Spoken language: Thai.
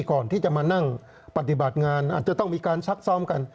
ก่อนที่จะมานั่งปฏิบัติงานอาจจะต้องมีการซักซ้อมกัน